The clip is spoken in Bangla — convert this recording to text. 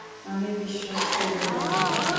আমি বিশ্বাস করব কেন?